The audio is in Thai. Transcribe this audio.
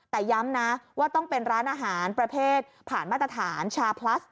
แต่ย้ำนะว่าต้องเป็นร้านอาหารประเภทผ่านมาตรฐานชาพลัส